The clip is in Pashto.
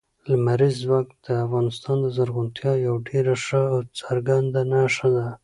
لمریز ځواک د افغانستان د زرغونتیا یوه ډېره ښه او څرګنده نښه ده.